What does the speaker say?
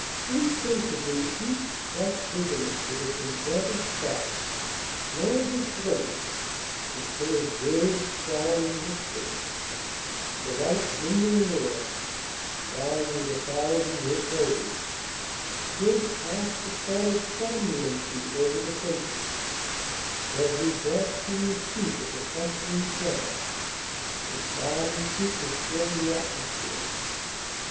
Insensibly each fresh visitant to this enchanting spot lowered his voice until his words fell in whispers; for the light genuine air, embalmed with a thousand rich odours, appeared to cast a sort of somnolency over the senses; every breath seemed to speak of the clustering plants whose balmy sweetness filled the atmosphere.